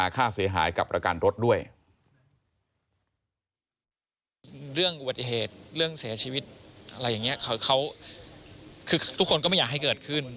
คือทุกคนก็ไม่อยากให้เกิดขึ้น